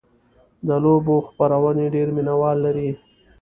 د لوبو خپرونې ډېر مینهوال لري.